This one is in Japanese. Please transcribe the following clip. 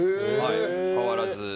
変わらず。